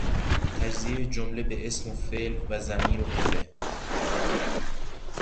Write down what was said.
تجزیهی جمله به اسم و فعل و ضمیر و غیره